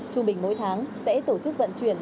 trung bình mỗi tháng sẽ tổ chức vận chuyển